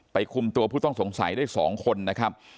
คุมตัวผู้ต้องสงสัยได้๒คนนะครับ